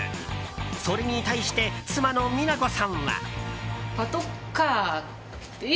それに対して妻の三奈子さんは。